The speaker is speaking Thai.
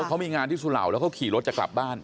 เขามีงานที่สุเหล่าแล้วเขาขี่รถจะกลับบ้าน